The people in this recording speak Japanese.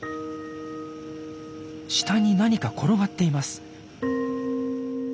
下に何か転がっています。